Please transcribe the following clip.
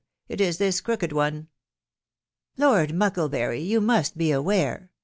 it is this crooked one*" " Lord Muckkbury !..... you must be aware*" •